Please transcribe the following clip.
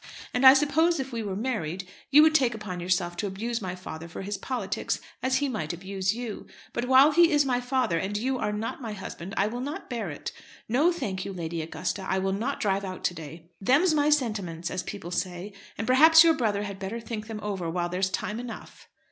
And I suppose if we were married, you would take upon yourself to abuse my father for his politics, as he might abuse you. But while he is my father, and you are not my husband, I will not bear it. No, thank you, Lady Augusta, I will not drive out to day. 'Them's my sentiments,' as people say; and perhaps your brother had better think them over while there's time enough."